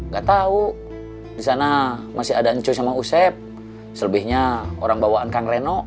gak tau disana masih ada nco sama useb selebihnya orang bawaan kan reno